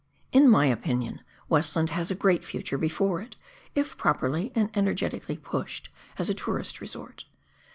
In my opinion, Westland has a great future before it, if properly and energetically pushed, as a tourist resort.